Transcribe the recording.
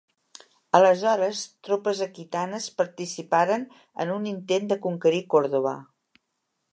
Aleshores, tropes aquitanes participaren en un intent de conquerir Còrdova.